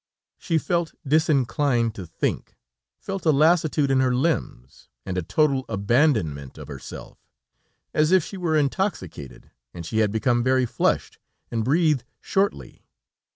She felt disinclined to think, felt a lassitude in her limbs, and a total abandonment of herself, as if she were intoxicated, and she had become very flushed, and breathed shortly.